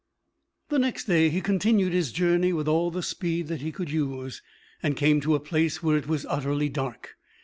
The next day he continued his journey with all the speed that he could use, and came to a place where it was utterly dark.